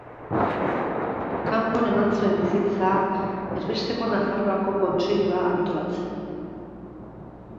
Kanbon eman zuen bizitza erbesteko Nafarroako Kontseilua antolatzen.